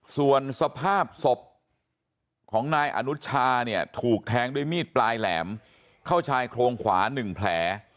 ส่วนสภาพศพของนายอนุชาเนี่ยถูกแทงด้วยมีดปลายแหลมเข้าชายโครงขวา๑แผล